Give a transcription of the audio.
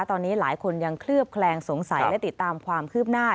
ตอนนี้หลายคนยังเคลือบแคลงสงสัยและติดตามความคืบหน้า